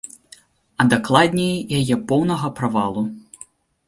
А дакладней, яе поўнага правалу.